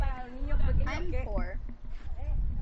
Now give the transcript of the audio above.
I’m poor.